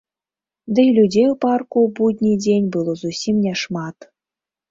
Дый людзей у парку ў будні дзень было зусім не шмат.